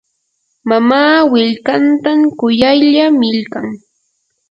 mamaa willkantan kuyaylla millqan.